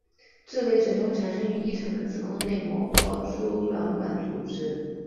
这类肿瘤产生于或异常的子宫内膜或输卵管组织。